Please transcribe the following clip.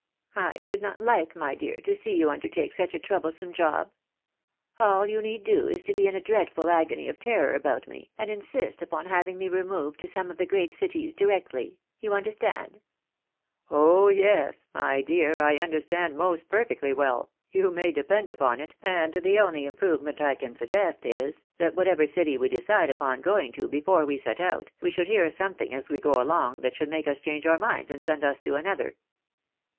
I should not like, my dear, to see you uudertake such a troublesome job. All you need do, is to be in a dreadful agony of terror about me, and insist upon having me removed to some of the great cities directly — you understand ?"" Oh yes ! my dear, I understand most perfectly well, you may depend upon it, and the only improvement I suggest is, that what ever city we decide upon going to before we set out, we should hear something as we go along that should make us change our minds and send us to another."